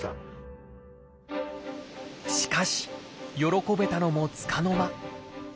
しかし喜べたのもつかの間。